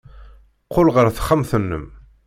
Qqel ɣer texxamt-nnem.